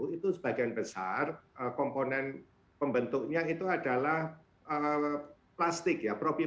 itu sebagian besar komponen pembentuknya itu adalah plastik ya